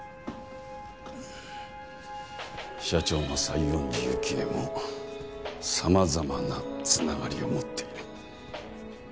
社長の西園寺幸恵もさまざまな繋がりを持っている。